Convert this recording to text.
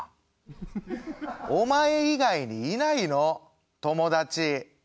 お前以外にいないの友達。